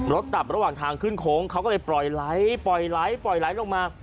ตับระหว่างทางขึ้นโค้งเขาก็เลยปล่อยไหลปล่อยไหลปล่อยไหลลงมา